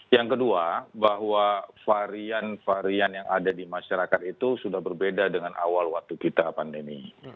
yang kedua bahwa varian varian yang ada di masyarakat itu sudah berbeda dengan awal waktu kita pandemi